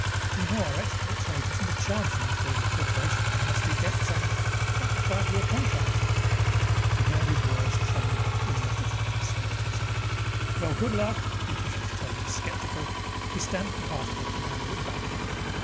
We know our export trade hasn't a chance among all your corporations unless we get some a five year contract...?" He heard his words trailing off idiotically, and swore at himself. "Well, good luck." The official's tone was skeptical. He stamped the passport and handed it back.